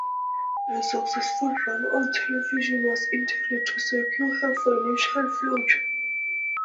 A successful run on television was intended to secure her financial future.